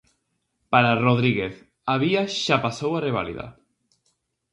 Para Rodríguez, a vía "xa pasou a reválida".